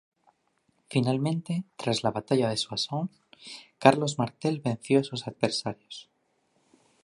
Finalmente, tras la Batalla de Soissons, Carlos Martel venció a sus adversarios.